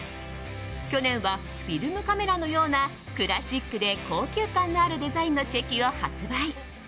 去年はフィルムカメラのようなクラシックで高級感のあるデザインのチェキを発売。